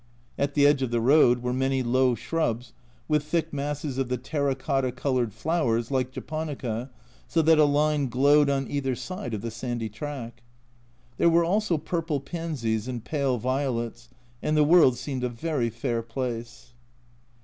At the edge of the road were many low shrubs with thick masses of the terra cotta coloured flowers, like Japonica, so that a line glowed on either side of the sandy track. There were also purple pansies and pale violets, and the world seemed a very fair place.